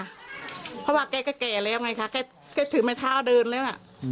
เพราะว่าแกก็แก่แล้วไงคะแกถือไม้เท้าเดินแล้วนะ